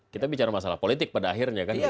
kita bicara masalah politik pada akhirnya kan